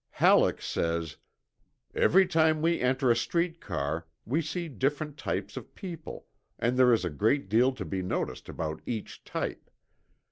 Halleck says: "Every time we enter a street car we see different types of people, and there is a great deal to be noticed about each type.